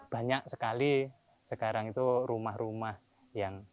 banyak sekali sekarang itu rumah rumah yang